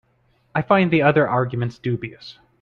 I find the other argument dubious.